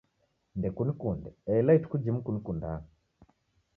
Ndekunikunde ela ituku jimu kunikunda.